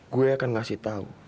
gue akan ngasih tau